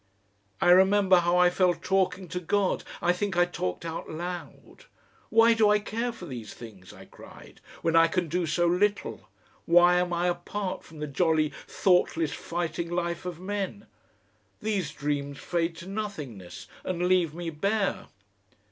I remember how I fell talking to God I think I talked out loud. "Why do I care for these things?" I cried, "when I can do so little! Why am I apart from the jolly thoughtless fighting life of men? These dreams fade to nothingness, and leave me bare!"